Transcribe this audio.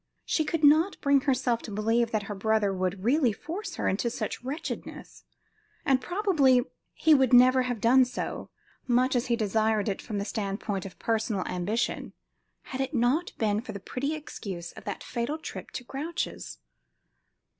She could not bring herself to believe that her brother would really force her into such wretchedness, and possibly he would never have done so, much as he desired it from the standpoint of personal ambition, had it not been for the petty excuse of that fatal trip to Grouche's.